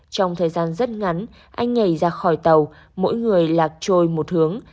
trong thời gian rất ngắn anh nhảy ra khỏi tàu mỗi người lạc trôi một hướng